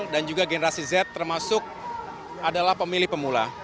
dan juga generasi z termasuk adalah pemilih pemula